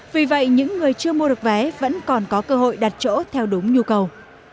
vì vậy những người chưa mua được vé vẫn còn có cơ hội đặt chỗ theo đúng nhu cầu